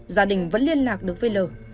gia đình vẫn liên lạc được với l